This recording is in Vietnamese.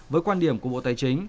với quan điểm của bộ tài chính